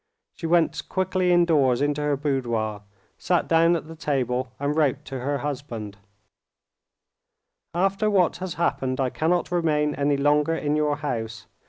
She went quickly indoors into her boudoir, sat down at the table, and wrote to her husband:—"After what has happened, I cannot remain any longer in your house.